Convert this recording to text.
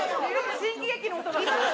新喜劇の音がする。